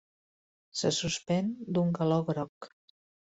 Se suspèn d'un galó groc.